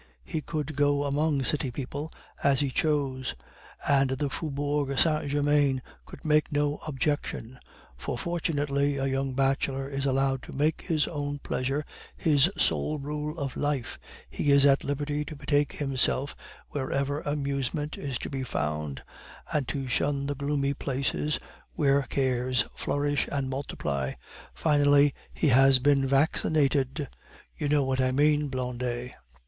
He could go among city people as he chose, and the Faubourg Saint Germain could make no objection; for, fortunately, a young bachelor is allowed to make his own pleasure his sole rule of life, he is at liberty to betake himself wherever amusement is to be found, and to shun the gloomy places where cares flourish and multiply. Finally, he had been vaccinated (you know what I mean, Blondet).